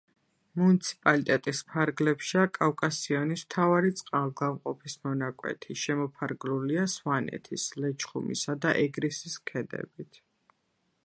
მუნიციპალიტეტის ფარგლებშია კავკასიონის მთავარი წყალგამყოფის მონაკვეთი, შემოფარგლულია სვანეთის, ლეჩხუმისა და ეგრისის ქედებით.